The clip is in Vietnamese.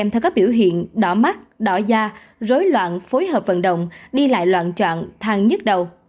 tiểu hiện đỏ mắt đỏ da rối loạn phối hợp vận động đi lại loạn chọn thang nhức đầu